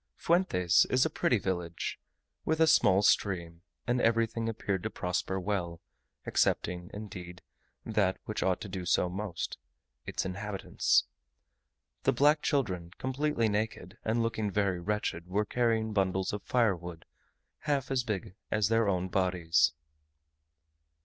Fuentes is a pretty village, with a small stream; and everything appeared to prosper well, excepting, indeed, that which ought to do so most its inhabitants. The black children, completely naked, and looking very wretched, were carrying bundles of firewood half as big as their own bodies.